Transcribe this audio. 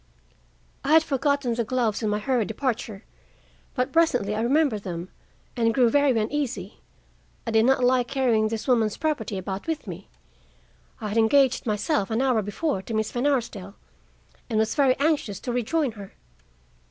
"I had forgotten the gloves in my hurried departure; but presently I remembered them, and grew very uneasy. I did not like carrying this woman's property about with me. I had engaged myself, an hour before, to Miss Van Arsdale, and was very anxious to rejoin her.